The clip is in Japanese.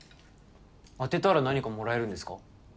当てたら何かもらえるんですか？